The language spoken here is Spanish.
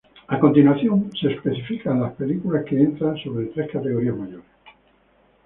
A continuación, se específica las películas que entran sobre tres categorías mayoresː